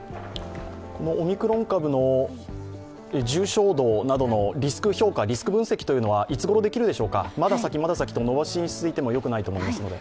オミクロン株の重症度などのリスク評価、リスク分析はいつごろできるでしょうか、まだ先と伸ばしていてもよくないと思いますので。